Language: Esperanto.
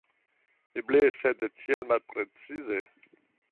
Eble, sed tiel malprecize.